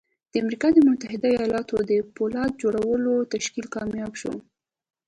د امريکا د متحده ايالتونو د پولاد جوړولو تشکيل کامياب شو.